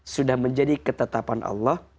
sudah menjadi ketetapan allah